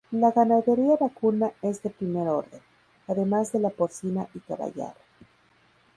La ganadería vacuna es de primer orden, además de la porcina y caballar.